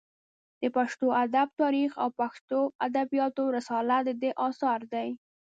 د پښتو ادب تاریخ او پښتو ادبیات رساله د ده اثار دي.